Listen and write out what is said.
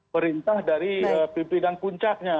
perintah dari pimpinan kuncaknya